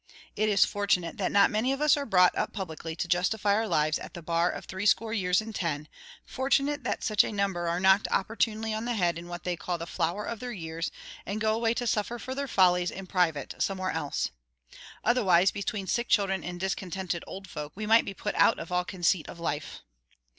It is fortunate that not many of us are brought up publicly to justify our lives at the bar of threescore years and ten; fortunate that such a number are knocked opportunely on the head in what they call the flower of their years, and go away to suffer for their follies in private somewhere else. Otherwise, between sick children and discontented old folk, we might be put out of all conceit of life.